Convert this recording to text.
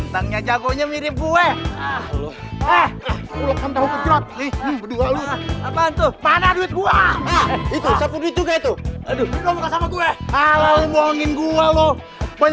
lan udah belum lan